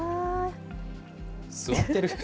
座ってる。